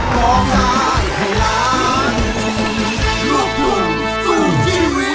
แผ่นไหนครับ